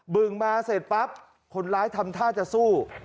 บึงมาเสร็จปั๊บคนร้ายทำท่าจะสู้